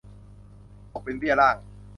ตกเป็นเบี้ยล่าง